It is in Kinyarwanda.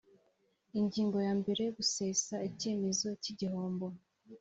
ingingo ya mbere gusesa icyemezo cy igihombo